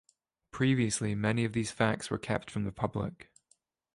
Previously many of these facts were kept from the public.